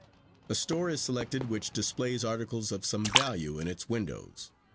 "A store is selected which displays articles of some value in its windows.